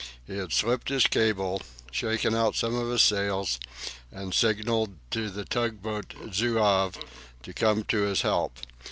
He had slipped his cable, shaken out some of his sails, and signalled to the tug boat "Zouave" to come to his help.